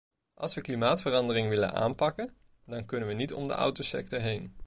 Als we klimaatverandering willen aanpakken, dan kunnen we niet om de autosector heen.